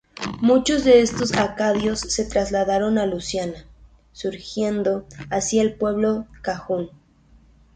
Muchos de estos acadios se trasladaron a Luisiana, surgiendo así el pueblo cajún.